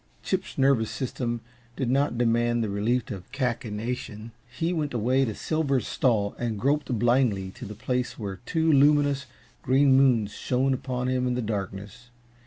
Chip's nervous system did not demand the relief of cachinnation. He went away to Silver's stall and groped blindly to the place where two luminous, green moons shone upon him in the darkness.